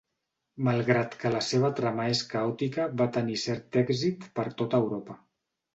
Malgrat que la seva trama és caòtica va tenir cert èxit per tot Europa.